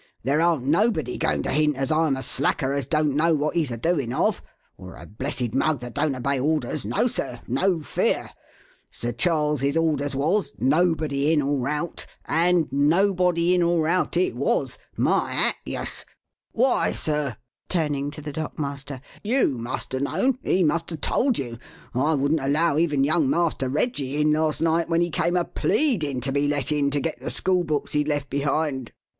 "There aren't nobody going to hint as I'm a slacker as don't know what he's a doing of, or a blessed mug that don't obey orders; no, sir no fear! Sir Charles's orders was, 'Nobody in or out' and nobody in or out it was; my hat! yuss! Why, sir" turning to the dock master "you must 'a' known; he must 'a' told you. I wouldn't allow even young Master Reggie in last night when he came a pleading to be let in to get the school books he'd left behind."